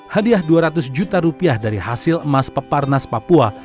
hadiah dua ratus juta rupiah dari hasil emas peparnas papua